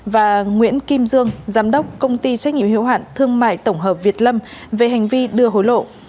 và nguyễn kim dương giám đốc công ty trách nhiệm hiếu hạn thương mại tổng hợp việt lâm về hành vi đưa hối lộ